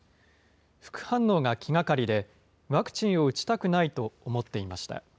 副反応が気がかりで、ワクチンを打ちたくないと思っていました。